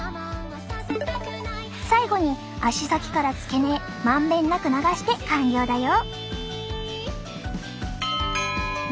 最後に足先から付け根へまんべんなく流して完了だよ。